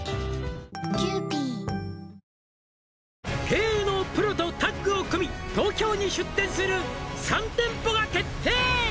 「経営のプロとタッグを組み東京に出店する３店舗が決定！」